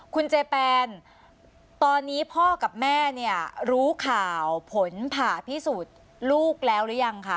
คุณเจแปนตอนนี้พ่อกับแม่เนี่ยรู้ข่าวผลผ่าพิสูจน์ลูกแล้วหรือยังคะ